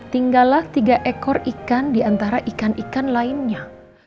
tinggallah tiga ekor ikan di antara ikan ikan lainnya